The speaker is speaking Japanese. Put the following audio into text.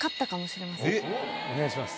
お願いします。